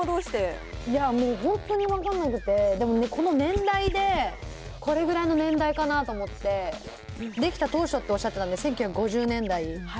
いや、もう本当に分かんなくて、でもこの年代で、これぐらいの年代かなと思って、出来た当初っておっしゃってたんで、１９５０年代。